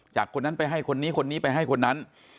คนนั้นไปให้คนนี้คนนี้ไปให้คนนั้น